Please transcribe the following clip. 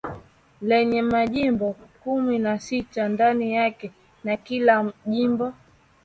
Lenye majimbo kumi nasita ndani yake na kila jimbo